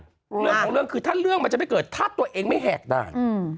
เรื่องของเรื่องคือถ้าเรื่องมันจะไม่เกิดถ้าตัวเองไม่แหกด่าน